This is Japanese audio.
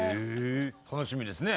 楽しみですね！